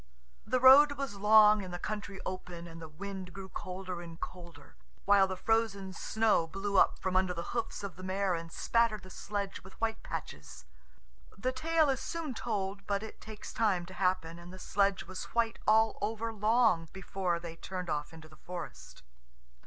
The road was long and the country open, and the wind grew colder and colder, while the frozen snow blew up from under the hoofs of the mare and spattered the sledge with white patches. The tale is soon told, but it takes time to happen, and the sledge was white all over long before they turned off into the forest.